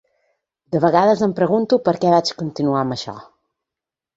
De vegades em pregunto, per què vaig continuar amb això?